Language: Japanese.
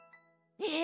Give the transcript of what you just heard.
え？